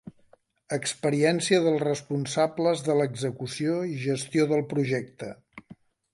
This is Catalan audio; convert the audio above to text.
Experiència dels responsables de l'execució i gestió del projecte.